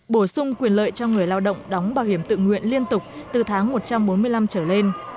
bổ sung quyền lợi cho người lao động đóng bảo hiểm tự nguyện liên tục từ tháng một trăm bốn mươi năm trở lên